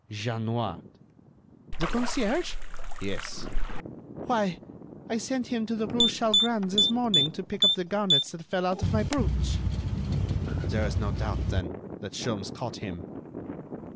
"Jeanniot." "The concierge?" "Yes." "Why, I sent him to the rue Chalgrin this morning to pick up the garnets that fell out of my brooch." "There is no doubt, then, that Sholmes caught him."